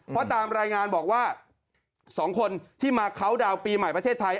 เพราะตามรายงานบอกว่า๒คนที่มาเคาน์ดาวน์ปีใหม่ประเทศไทย